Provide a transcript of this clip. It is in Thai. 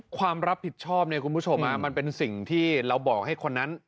ความรับผิดชอบเนี่ยคุณผู้ชมมันเป็นสิ่งที่เราบอกให้คนนั้น